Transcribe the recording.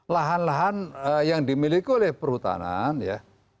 lahan lahan yang dimiliki oleh perhutanan ya